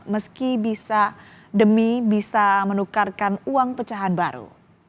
meski bisa demi bisa menukarkan uang pecahan baru